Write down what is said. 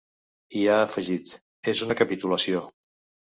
I ha afegit: És una capitulació.